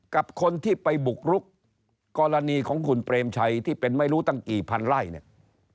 กับคนที่ไปบุกรุกกรณีของคุณเปรมชัยที่เป็นไม่รู้ตั้งกี่พันไล่เนี่ย